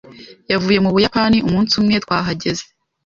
Yavuye mu Buyapani umunsi umwe twahageze.